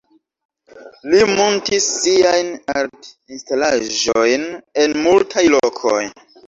Li muntis siajn art-instalaĵojn en multaj lokoj.